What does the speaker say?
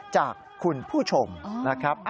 จากคุณผู้ชมนะครับ